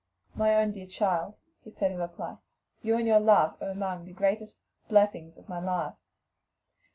"My own dear child!" he said in reply, "you and your love are among the greatest blessings of my life."